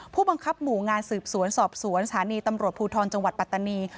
ผู้บังคับหมู่งานสืบสวนสอบสวนสถานีตำรวจภูทรจังหวัดปัตตานี